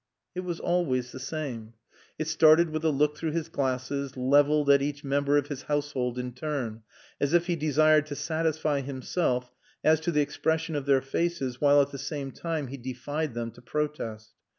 It was always the same. It started with a look through his glasses, leveled at each member of his household in turn, as if he desired to satisfy himself as to the expression of their faces while at the same time he defied them to protest.